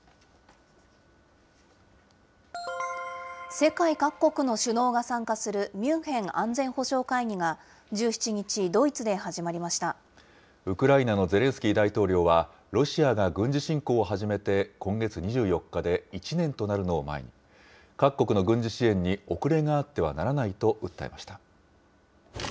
世界各国の首脳が参加するミュンヘン安全保障会議が、１７日、ウクライナのゼレンスキー大統領は、ロシアが軍事侵攻を始めて今月２４日で１年となるのを前に、各国の軍事支援に遅れがあってはならないと訴えました。